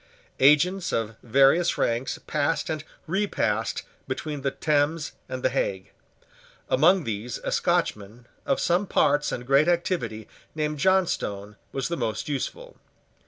Agents of various ranks passed and repassed between the Thames and the Hague. Among these a Scotchman, of some parts and great activity, named Johnstone, was the most useful.